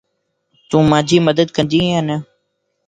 تون مانجي مدد ڪندي يا نا؟